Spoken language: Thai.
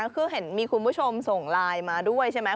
คือเห็นมีคุณผู้ชมส่งไลน์มาด้วยใช่ไหม